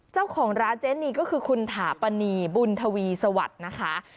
เจ้าของร้านเจนีก็คือคุณถาปนีบุญทวีสวัสดิ์นะคะ